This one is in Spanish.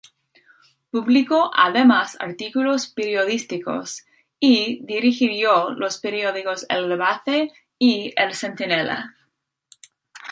Publicó además artículos periodísticos y dirigió los periódicos "El Debate" y "El Centinela".